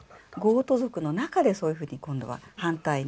ゴート族の中でそういうふうに今度は反対に。